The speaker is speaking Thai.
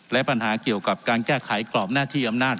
และปัญหาเกี่ยวกับการแก้ไขกรอบหน้าที่อำนาจ